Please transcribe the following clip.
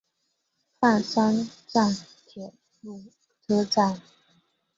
饭山站铁路车站。